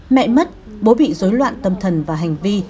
mẹ mất bố bị dối loạn tâm thần và hành vi